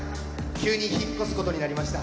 急に引っ越すことになりました。